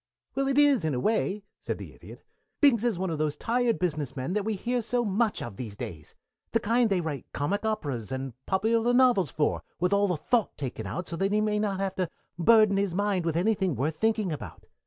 "Well, it is, in a way," said the Idiot. "Binks is one of those tired business men that we hear so much of these days. The kind they write comic operas and popular novels for, with all the thought taken out so that he may not have to burden his mind with anything worth thinking about.